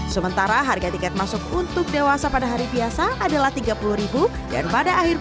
sementara harga tiket masuk untuk dewasa pada hari biasa adalah rp tiga puluh